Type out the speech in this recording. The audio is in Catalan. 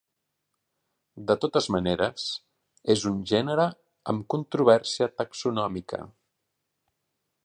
De totes maneres, és un gènere amb controvèrsia taxonòmica.